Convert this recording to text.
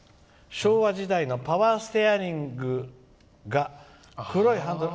「昭和時代のパワーステアリングの黒ハンドル。